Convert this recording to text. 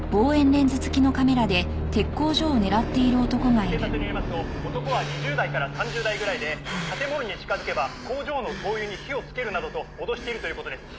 「警察によりますと男は２０代から３０代ぐらいで建物に近づけば工場の灯油に火を点けるなどと脅しているという事です」